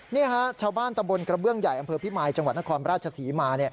นี่ฮะชาวบ้านตำบลกระเบื้องใหญ่อำเภอพิมายจังหวัดนครราชศรีมา